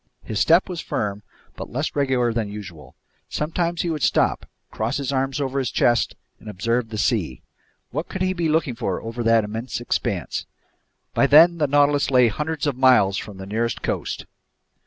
His step was firm but less regular than usual. Sometimes he would stop, cross his arms over his chest, and observe the sea. What could he be looking for over that immense expanse? By then the Nautilus lay hundreds of miles from the nearest coast!